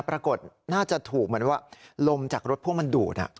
ปรากฏน่าจะถูกเหมือนว่าลมจากรถพ่วงมันดูด